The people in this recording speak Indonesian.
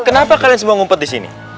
kenapa kalian semua ngumpet di sini